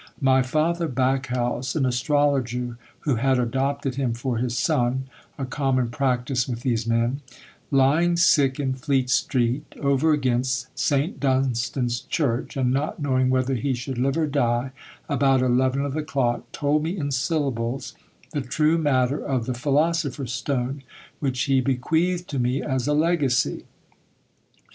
My father Backhouse (an astrologer who had adopted him for his son, a common practice with these men) lying sick in Fleet street, over against St. Dunstan's church, and not knowing whether he should live or die, about eleven of the clock, told me in syllables the true matter of the philosopher's stone, which he bequeathed to me as a legacy."